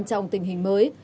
trong tình hình mới